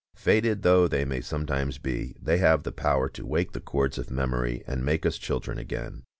Faded though they may sometimes be, they have the power to wake the chords of memory and make us children again.